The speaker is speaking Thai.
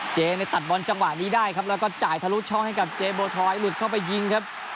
เจในตัดบอลจังหวะนี้ได้ครับแล้วก็จ่ายทะลุช่องให้กับเจโบทอยหลุดเข้าไปยิงครับ